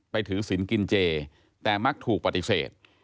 ถือศิลป์กินเจแต่มักถูกปฏิเสธ